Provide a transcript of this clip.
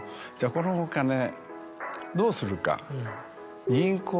このお金どうするか？